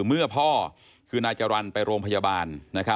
เมื่อพ่อคือนายจรรย์ไปโรงพยาบาล